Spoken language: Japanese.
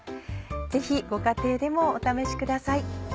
ぜひご家庭でもお試しください。